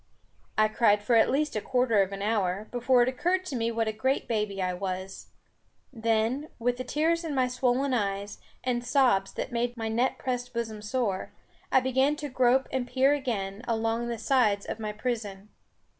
I cried for at least a quarter of an hour, before it occurred to me what a great baby I was. Then, with the tears in my swollen eyes, and sobs that made my net pressed bosom sore, I began to grope and peer again along the sides of my prison.